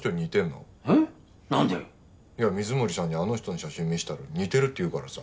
えっなんで？いや水森さんにあの人の写真見せたら似てるって言うからさ。